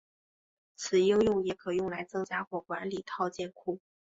此应用也可用来增加或管理套件库。